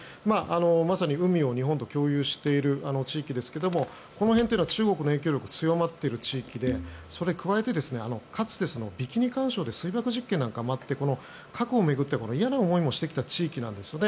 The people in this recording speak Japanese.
まさに海を日本と共有しているあの地域ですがこの辺というのは中国の影響力が強まっている地域でそれに加えてかつてビキニ環礁で水爆実験などもあって核を巡っては嫌な思いもしてきた地域なんですよね。